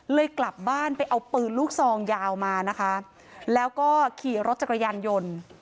กลับบ้านไปเอาปืนลูกซองยาวมานะคะแล้วก็ขี่รถจักรยานยนต์